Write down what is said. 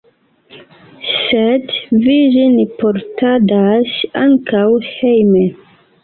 Sed vi ĝin portadas ankaŭ hejme.